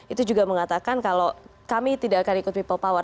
itu juga mengatakan kalau kami tidak akan ikut people power